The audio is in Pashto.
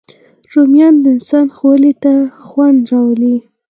رومیان د انسان خولې ته خوند راولي